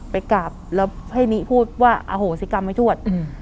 ไปกราบแล้วให้นิพูดว่าอโหสิกรรมไม่ทวด